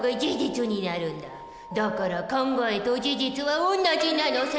だから考えと事実は同じなのさ。